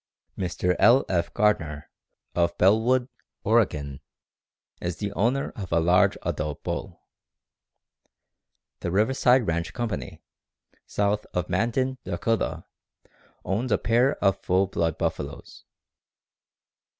Mr. L. F. Gardner, of Bellwood, Oregon, is the owner of a large adult bull. The Riverside Ranch Company, south of Mandan, Dakota, owns a pair of full blood buffaloes.